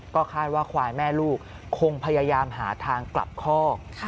ก็คาดว่าควายแม่ลูกคงพยายามหาทางกลับคอก